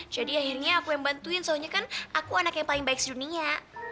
jadi akhirnya aku yang bantuin soalnya kan aku anak yang paling baik di dunia